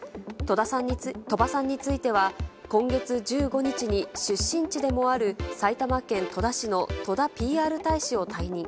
鳥羽さんについては、今月１５日に出身地でもある埼玉県戸田市のとだＰＲ大使を退任。